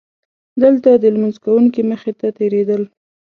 دلته د لمونځ کوونکي مخې ته تېرېدل.